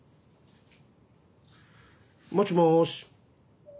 もしもし。